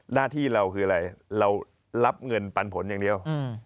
หน้าที่เราคืออะไรเรารับเงินปันผลอย่างเดียว